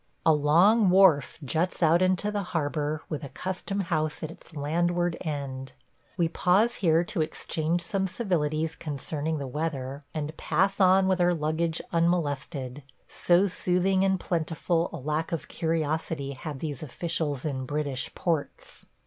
A long wharf juts out into the harbor with a custom house at its landward end. We pause here to exchange some civilities concerning the weather, and pass on with our luggage unmolested, so soothing and plentiful a lack of curiosity have these officials in British ports.